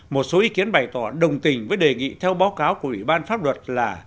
một số ý kiến bày tỏ đồng tình với đề nghị theo báo cáo của ủy ban pháp luật là